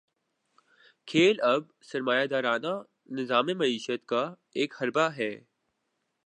کھیل اب سرمایہ دارانہ نظام معیشت کا ایک حربہ ہے۔